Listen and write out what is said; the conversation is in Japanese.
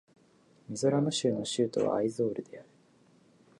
ミゾラム州の州都はアイゾールである